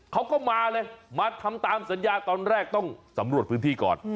เขาก็มาเลยมาทำตามสัญญาตอนแรกต้องสำรวจพื้นที่ก่อน